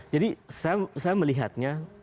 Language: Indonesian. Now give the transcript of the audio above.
jadi saya melihatnya